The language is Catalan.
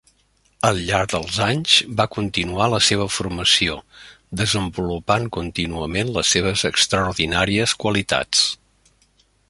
Al llarg dels anys va continuar la seva formació, desenvolupant contínuament les seves extraordinàries qualitats.